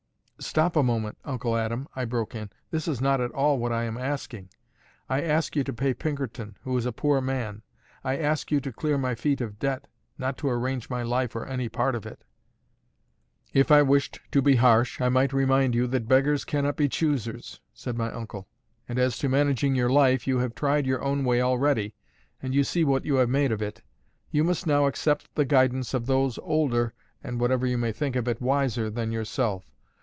"Stop a moment, Uncle Adam," I broke in. "This is not at all what I am asking. I ask you to pay Pinkerton, who is a poor man. I ask you to clear my feet of debt, not to arrange my life or any part of it." "If I wished to be harsh, I might remind you that beggars cannot be choosers," said my uncle; "and as to managing your life, you have tried your own way already, and you see what you have made of it. You must now accept the guidance of those older and (whatever you may think of it) wiser than yourself.